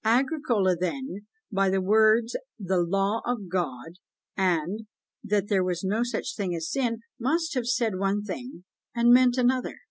Agricola then, by the words the "Law of God," and "that there was no such thing as sin," must have said one thing and meant another!